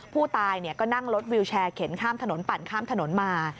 ผู้ตายก็นั่งรถวิวแชร์เข็นข้ามถนนปั่นข้ามถนนมา